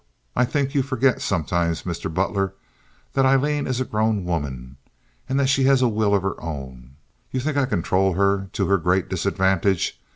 I think you forget sometimes, Mr. Butler, that Aileen is a grown woman, and that she has a will of her own. You think I control her to her great disadvantage.